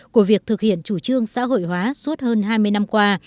của việc thực hiện chủ trương xã hội hóa suốt hơn hai mươi năm qua